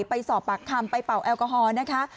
ไปสอบปากคำไปเป่าแอลกอฮอล์นะคะ